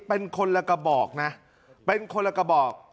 เป็นคนละกระบอกนะเป็นคนละกระบอก